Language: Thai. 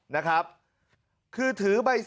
นะครับ